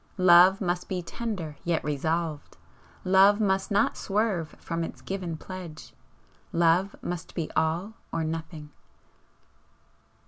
Love must be tender yet resolved! Love must not swerve from its given pledge! Love must be All or Nothing!"